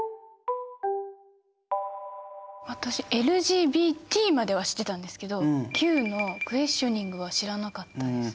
私ＬＧＢＴまでは知ってたんですけど「Ｑ」のクエスチョニングは知らなかったです。